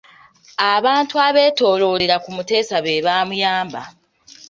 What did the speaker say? Abantu abeetooloolera ku Muteesa be baamuyamba.